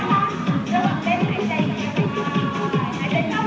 แล้วก็เต้นหายใจกันเลยค่ะ